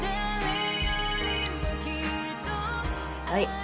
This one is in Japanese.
はい。